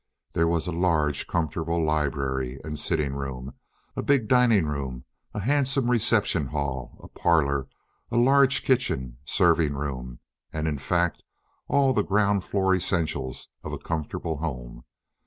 There was a large, comfortable library and sitting room, a big dining room, a handsome reception hall, a parlor, a large kitchen, serving room, and in fact all the ground floor essentials of a comfortable home.